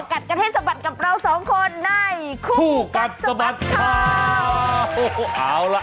กัดกันให้สะบัดกับเราสองคนในคู่กัดสะบัดข่าวโอ้โหเอาล่ะ